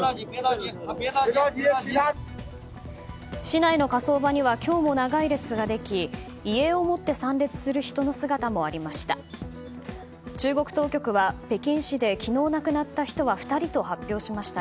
市内の火葬場には今日も長い列ができ遺影をもって参列する人の姿もありました。